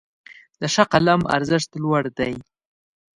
د ښه قلم ارزښت لوړ دی.